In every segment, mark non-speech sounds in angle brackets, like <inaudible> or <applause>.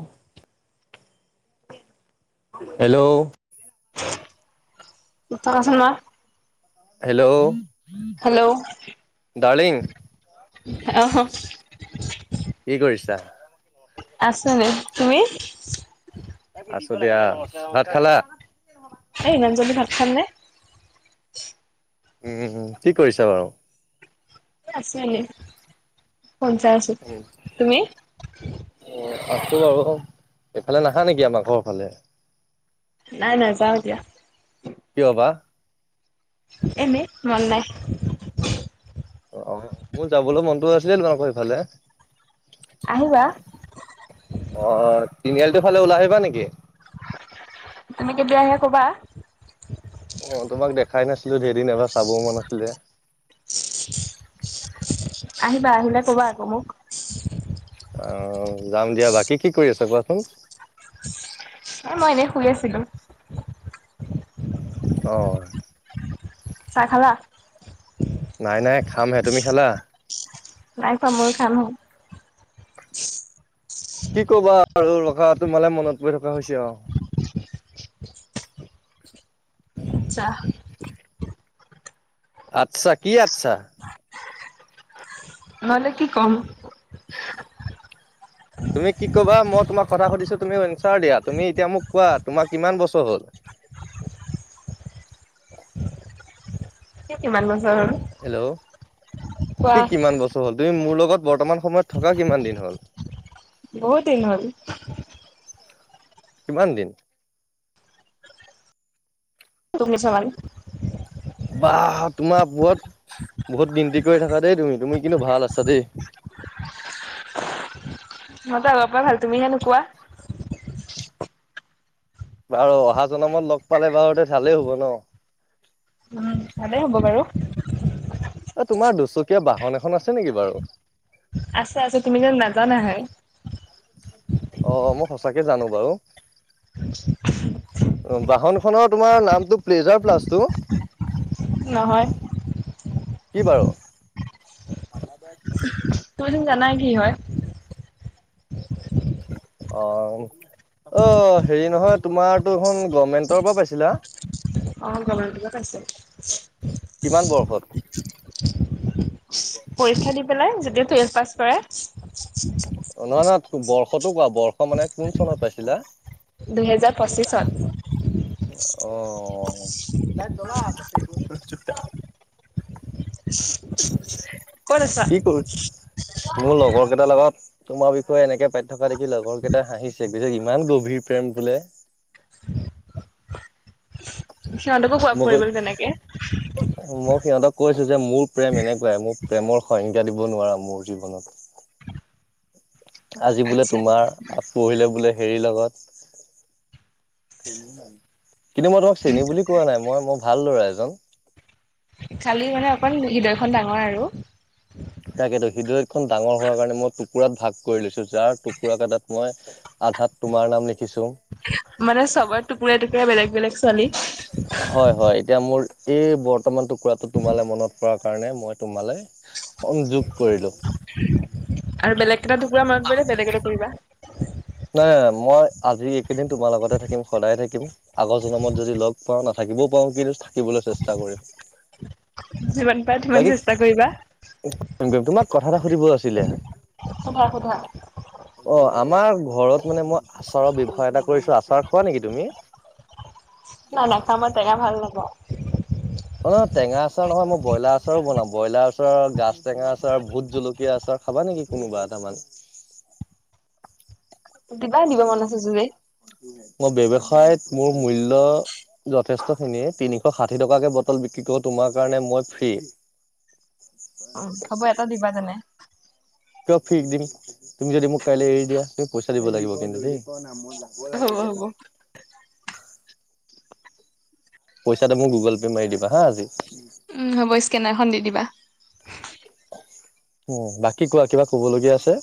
অ। Hello! কছোন ক। Hello. Hello! Darling আহ। কি কৰিছা? আছোঁ এনেই, তুমি? আছোঁ দিয়া। ভাত খালা? এ ইমান জল্দি ভাত খামনে! উম উম উম, কি কৰিছা বাৰু? আছোঁ এনেই। ফোন চাই আছোঁ। তুমি? আছোঁ আৰু, এইফালে নাহা নেকি, আমাৰ ঘৰৰ ফালে। নাই, নাযাওঁ এতিয়া। কিয় বা? এনেই, মন নাই। অ অ, মোৰ যাবলৈ মনটো আছিলে তোমাকৰ ইফালে। অ, আহিবা তিনিআলিটো ফালে ওলাই আহিবা নেকি? তুমি কেতিয়া আহিবা কবা। অ, তোমাক দেখাই নাছিলো যে, এদিন এবাৰ চাব মন আছিলে। আহিবা। আহিলে কবা আকৌ মোক। আহ, যাম দিয়া। বাকী কি কৰি আছা কোৱাচোন? এ মই এনেই শুই আছিলোঁ। অঁ। চাহ খালা? নাই নাই খামহে, তুমি খালা? নাই খোৱা, ময়ো খাম হে। কি কবা আৰু ৰখা, তোমালে মনত পৰি থকা হৈছে আৰু। <inaudible> আচ্ছা। আচ্ছা, কি আচ্ছা? নহলে কি কম? তুমি কি কবা? মই তোমাক কথা সুধিছো তুমি এনচাৰ দিয়া। তুমি এতিয়া মোক কোৱা, তোমাৰ কিমান বছৰ হল? <inaudible> তিয়া কিমান বছ হেল্ল'! কোৱা কি কিমান বছৰ হ'ল? তুমি মোৰ লগত বৰ্তমান সময়ত থকা কিমান দিন হ'ল? বহুত দিন হ'ল। কিমান দিন? তুমি চাবানে? ব তোমাৰ পত বহুত গিনন্তি কৰি থাকা দেই তুমি তুমি কিন্তু ভাল আছা দেই <unintelligible> <inaudible> মইতে অলপ পৰা ভাল তুমিহে নোকোৱা <unintelligible> বাৰু অহা জনমত লগ পালে বাৰু দে ভালেই হ'ব ন উম ভালেই হ'ব বাৰু এ তোমাৰ দুচকীয়া বাহন এখন আছে নেকি বাৰু আছে আছে তুমি যেন নাজানাহে অ মই সঁচাকে জানো বাৰু বাহনখনৰ তোমাৰ নামটো প্লেজাৰ প্লাছ নহয় কি বাৰু তুমি দেখোন জানাই কি হয় অ অ হেৰি নহয় তোমাৰতোখন গভমেন্টৰ পৰা পাইছিলা <unintelligible> অ ব কিব ক আছে <unintelligible> কিমান বৰ্ষত পৰীক্ষা দি পেলাই যতি টুৱেলভ পাছ কৰে <unintelligible> বৰ্ষতো কোৱা বৰ্ষ মানে কোন চনত পাইছিলা <unintelligible> দুহেজাৰ পঁচিশন অঁ ক'ত আছা? কি কৰ মোৰ লগৰ কেইটাৰ লগত <unintelligible> তোমাৰ বিষয়ে এনেকে পাই থকা দেখি লগৰ কেইটা হাঁহিছে গ ইমান গভীৰ প্ৰেম বোলে <unintelligible> <inaudible> সিহঁতকো খ পৰি যেনেকে <unintelligible> মোৰ সিহঁতক <unintelligible> কৈছে যে মোৰ প্ৰেম এনেকুৱাই মোৰ প্ৰেমৰ সংজ্ঞা দিব নোৱাৰা মোৰ জীৱনত আজি বোলে আচ্ছা তোমাৰ পৰহিলে বোলে হেৰি লগত কিন্তু মই তোমাক চেণী বুলি কোৱা নাই মই মই <unintelligible> ভাল ল'ৰা এজন খালি মানে অকন হৃদয়খন ডাঙৰ আৰু তাকেইেতো হৃদয়খন ডাঙৰ হোৱাৰ কাৰণে মই টুকুৰাত ভাগ কৰি লৈছো যাৰ টুকুৰা কটাত মই <unintelligible> আধাত তোমাৰ নাম লিখিছো মানে চবৰে টুকুৰা টুকুৰা বেলেগ বেলেগ চলি <unintelligible> হয় হয় এতিয়া মোৰ এই বৰ্তমান টুকুৰাটো তোমালে মনত পৰা কাৰণে মই তোমালে <unintelligible> সংযোগ কৰিলো আৰু বেলেগ কেইটা টোকুৰা মনত পইলে বেলেগ এটা পুৰিবা <unintelligible> নাই মই আজি এইকেইদিন তোমাৰ লগতে থাকিম সদায়ে থাকিম আগৰ জনমত যদি লগ পাওঁ নাথাকিম <unintelligible> থাকিব পাৰওঁ কিন্তু থাকিবলৈ চেষ্টা কৰিম যিমান পাৰা সিমান বাকী চেষ্টা কৰিবা। তোমাৰ <unintelligible> কথা এটা সুধিব আছিলে অ সোধা সোধা আমাৰ <unintelligible> ঘৰত মানে মই আচাৰৰ ব্যৱসায় এটা কৰিছো আচাৰ খোৱা নেকি তুমি নাই নাখা মই তেঙা ভাল নাপ <unintelligible> অ টেঙা আচাৰ নহয় মই ব্ৰইলাৰ আচাৰো বনাও ব্ৰইলাৰ আচাৰৰ গাচ টেঙা আচাৰ ভোত জলকীয়া আচাৰ <unintelligible> খাবা নেকি কোনোবা এ তামান <unintelligible> দিবা দিব মন আছে যদি মই ব্যবসায়ত মোৰ মূল্য যথেষ্ট খিনিয়ে তিনিশ ষাঠি টকাকে বটল বিক্ৰী কৰো তোমাৰ কাৰণে মই ফ্ৰী উ হ'ব এটা দিবা তেনে <unintelligible> কিয় ফিক দিম তুমি যদি মোক কাইলৈ এৰি দিয়া তুমি পইচা দিব লাগিব কিন্তু দেই হ'ব <unintelligible> হ'ব <unintelligible> <inaudible> পইচা তো মোক গুগল পে' মাৰি দিবা হা আজি হ'ব স্কেনাৰখন দি দিবা উম বাকী কোৱা কিবা ক'ব লগীয়া আছে?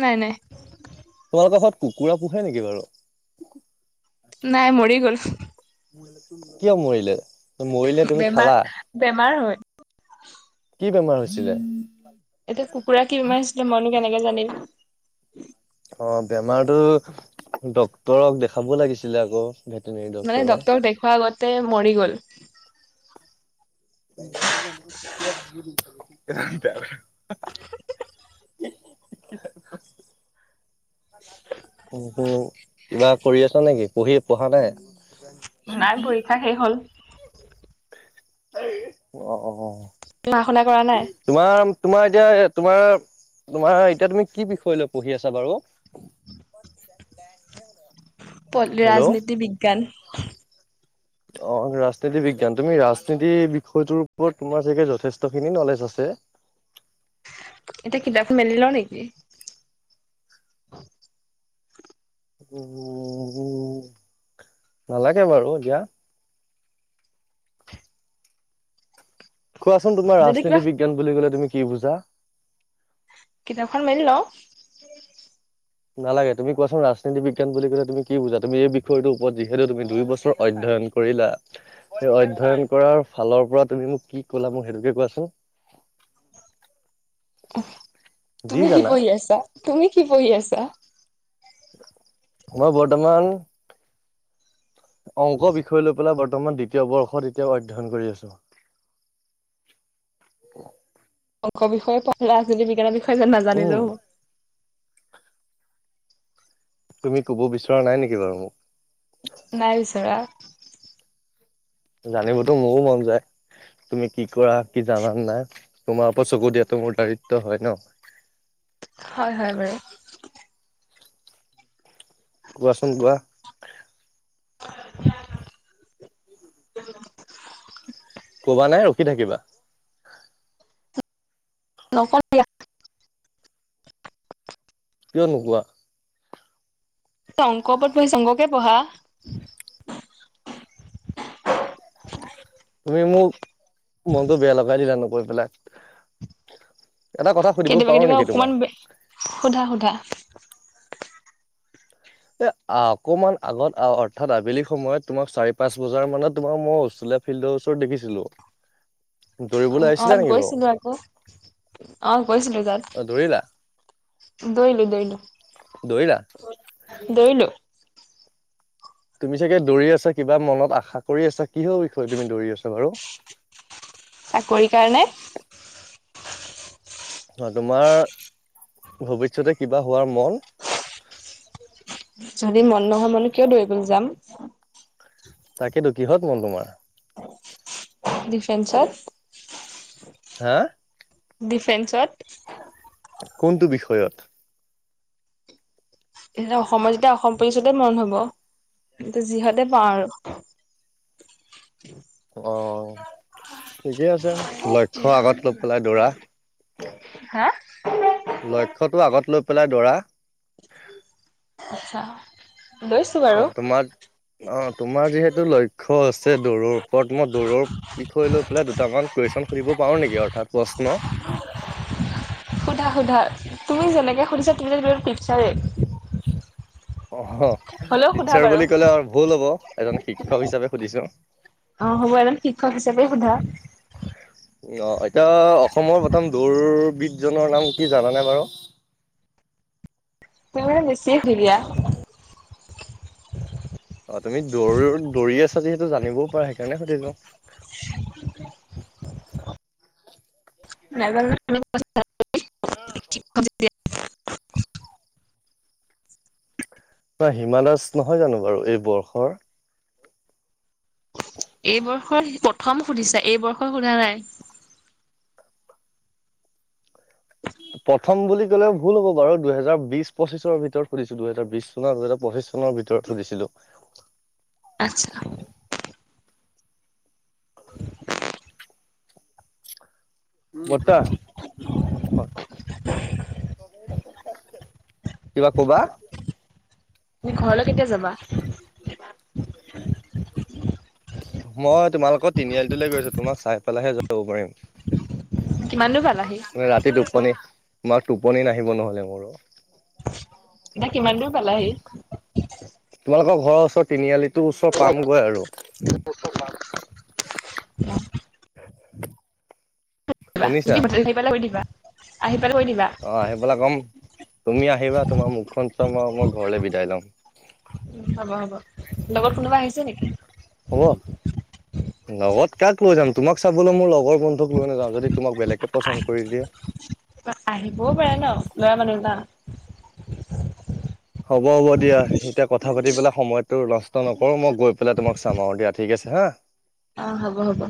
নাই নাই। তোমালোকৰ ঘৰত কুকুৰা পোহে নেকি বাৰু নাই মৰি গ'ল। কিয় মৰিলে, মৰিলে তুমি বেমাৰ খালা। বেমাৰ হয় কি বেমাৰ হৈছিলে? এতিয়া কুকুৰা কি বেমাৰ হৈছিলে মইনো কেনেকে জানিম। অ বেমাৰতো ডক্তৰক দেখাব লাগিছিলে আক। মানে ডাক্তৰক দেখুওৱা আগতে মৰি গ'ল <unintelligible> <unintelligible> উম উম কিবা কৰি আছ নেকি, পঢ়ি পঢ়া নাই? নাই পৰীক্ষা শেষ হ'ল। <unintelligible> অ অ। ঢ়া শুনা কৰা নাই। তোমাৰ তোমাৰ এতিয়া তোমাৰ তোমাৰ এতিয়া তুমি কি বিষয় লৈ পঢ়ি আছা বাৰু হেল্ল' ৰাজনীতি বিজ্ঞান। অ ৰাজনীতি বিজ্ঞান তুমি ৰাজনীতি বিষয়টোৰ ওপৰত তোমাৰ চাগে যথেষ্টখিনি নলেজ আছে। <unintelligible> এতিয়া কিতাপ মেলি লও নেকি <unintelligible> নালাগে বাৰু দিয়া। কোৱাচোন তোমাৰ যদি কিবা ৰাজনীতি বিজ্ঞান বুলি কলে তুমি কি বুজা। কিতাপখন মেলি লও নালাগে তুমি কোৱাচোন ৰাজনীতি বিজ্ঞান বুলি ক'লে তুমি কি বুজা তুমি এই বিষয়টো ওৰত যিহেতু তুমি দুই বছৰ অধ্যয়ন অধ্যয়ন কৰিলা সেই অধ্যয়ন কৰাৰ ফালৰ পৰা তুমি মোক কি কলা মোক সেইটোকে কোৱাচোন <unintelligible> <unintelligible> যি তুমি কি জানা পঢ়ি আছা, তুমি কি পঢ়ি আছা। মই বৰ্তমান অংক বিষয় লৈ পেলাই বৰ্তমান দ্বিতীয় বৰ্ষত এতিয়া অধ্যয়ন কৰি আছো। <unintelligible> অঙ্ক বিষয়ে ৰাজনীতি বিজ্ঞানৰ বিষয়ে যে উম, নাজানিলো হ'ব। তুমি কব বিচৰা নাই নেকি বাৰু মোক। নাই বিচৰা। জানিবতো মোৰও মন যায়। তুমি কি কৰা কি জানা নাই তোমাৰ ওপৰত চকু দিয়াতটো মোৰ দাৰিত্ব হয় ন। <unintelligible> হয় হয় বাৰু। কোৱাচোন কোৱা। <unintelligible> কবা নাই ৰখি থাকিবা। নকওঁ দিয়া। কিয় নোকোৱা? অংক ওপৰত পঢ়ি শংককে পঢ়া <unintelligible> তুমি মোক মনটো বেয়া লগাই দিলা নকৈ পেলাই এটা কথা সুধিব কেতিয়াবা পাৰো কেতিয়াবা নেকি অকমান তোমাক? সোধা সোধা এ অকমান আগত অৰ্থাৎ আবেলি সময়ত তোমাক চাৰি পাঁচ বজাৰ মানত তোমাৰ মই ছিলো ফিল্ডৰ ওচৰত দেখিছিলো। দৌৰিবলৈ অহ, আহিছিলা নেকি বাৰু? গৈছিলো আকৌ, অহ গৈছিলো তাত। অ' দৌৰিলা? দৰিলো -দৰিলো দৌৰিলা? -দৰিলো। তুমি চাগে দৌৰি আছা কিবা মনত আশা কৰি আছা কিহৰ বিষয় তুমি দৌৰি আছা বাৰু। <inaudible> চাকৰিৰ কাৰণে। অহ, তোমাৰ ভৱিষ্যতে কিবা হোৱাৰ মন? <inaudible> যদি মন নহয় মানে কিয় দৌৰিবলৈ যাম। তাকেতো কিহত মন তোমাৰ? ডিফেন্সত। হা ডিফেন্সত। কোনটো বিষয়ত? এয়া অসমৰ যেতিয়া অসম পুলিচতে মন হব যিহতে পাওঁ আৰু। অহ, ঠিকে আছে লক্ষ্য আগত লৈ পেলাই দৌৰা। হা লক্ষ্যটো আগত লৈ পেলাই দৰা আচ্ছা। লৈছো বাৰু অহ, তোমাৰ অহ। তোমাৰ যিহেতু লক্ষ্য আছে দৌৰৰ ওপৰত মই দৌৰৰ বিষয় লৈ পেলাই দুটামান কুৱেশ্যন সুধিব পাও নেকি অৰ্থাৎ প্ৰশ্ন? সোধা-সোধা তুমি যেনেকে সুধিছা তেনে দৰে টিছাৰে। অহ, হ'লেও সোধা টিচাৰ বাৰু বুলি কলে আৰু ভুল হ'ব এজন শিক্ষক হিচাপে সুধিছো। অহ, হ'ব এজন শিক্ষক হিচাপে সোধা। অহ, এতিয়া অসমৰ প্ৰথম দৌৰবিদজনৰ নাম কি জানানে বাৰু? <inaudible> তাৰ মানে মিচি জুলিয়া। অহ, তুমি দৌৰ- দৌৰি আছা যিহেতু জানিবও পাৰা সেইকাৰণে সুধিলো। নেজানো <unintelligible> কিবা হিমা দাস নহয় জানো বাৰু এই বৰ্ষৰ? এইবৰ্ষৰ প্ৰথম সুধিছা এইবৰ্ষৰ সোধা নাই? প্ৰথম বুলি ক'লে ভুল হ'ব বাৰু দুহেজাৰ বিছ পঁচিছৰ ভিতৰত সুধিছো, দুহেজাৰ বিছ <unintelligible> দুহেজাৰ পঁচিছ। চনৰ ভিতৰত সুধিছিলো। আচ্ছা। বৰতা কিবা কবা? তুমি ঘৰলৈ কেতিয়া যাবা? মই তোমালোকৰ তিনিআলিটোলে গৈ আছো তোমাক চাই পেলাইহে যাব পাৰিম। কিমান দূৰ পালাহি মানে ৰাতি টোপনি তোমাক টোপনি নাহিব নহ'লে মোৰো। এতিয়া কিমান দূৰ পালাহি? তোমালোকৰ ঘৰৰ ওচৰ তিনিআলিত। টো ওচৰ পামগৈ আৰু। শুনিছা? <unintelligible> অহ, আহিপেলায় কম। তুমি আহিবা, তোমাৰ মুখখন চাম আৰু মই ঘৰলে বিদায় লম। উম হ'ব হ'ব লগত কোনোবা আহিছে নেকি? হ'ব। লগত কাক লৈ যাম তোমাক চাবলৈ মোৰ লগৰ বন্ধুক লৈ নাযাওঁ যদি তোমাক বেলেগকে পচন্দ কৰি দিয়ে। আহিবও পাৰে ন' লৰা মানুহ এটা। হ'ব হ'ব দিয়া এতিয়া কথা পাতি পেলাই। সময়তো নষ্ট নকৰো মই গৈ পেলাই তোমাক চাম আৰু দিয়া ঠিক আছে হা। অ হ'ব হ'ব